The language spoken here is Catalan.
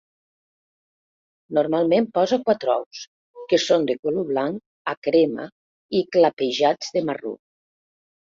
Normalment posa quatre ous, que són de color blanc a crema i clapejats de marró.